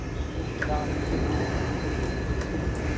Damião